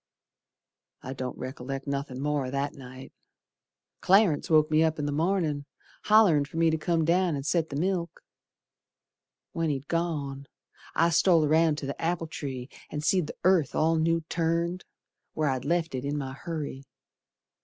I don't rec'lect nothin' more o' that night. Clarence woke me up in th' mornin', Hollerin' fer me to come down and set th' milk. When he'd gone, I stole roun' to the apple tree And seed the earth all new turned Where I left it in my hurry.